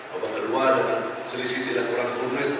babak kedua dengan selisih tidak kurang kurnit